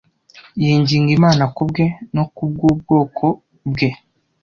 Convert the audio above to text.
yinginga Imana kubwe no kubw’ubwoko bwe